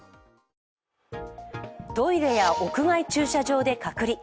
トイレや屋外駐車場で隔離。